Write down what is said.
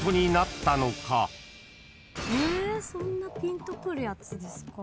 そんなぴんとくるやつですか？